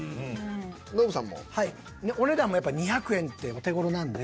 お値段もやっぱ２００円ってお手ごろなんで。